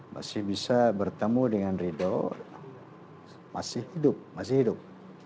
masih bisa bertemu dengan ridho masih hidup